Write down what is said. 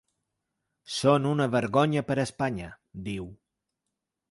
Són una vergonya per a Espanya, diu.